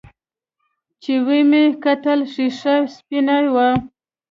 چې ومې کتل ښيښه سپينه وه.